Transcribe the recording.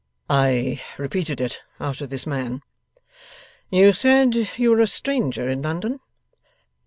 'I repeated it, after this man.' 'You said you were a stranger in London?